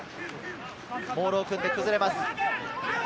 モールを組んで崩れます。